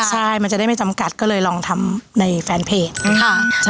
ใจมันจะได้จำกัดก็เลยลองทำในแฟนเพจ